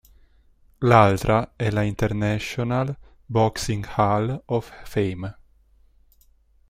L'altra è la International Boxing Hall of Fame.